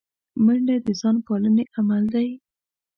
منډه د ځان پالنې عمل دی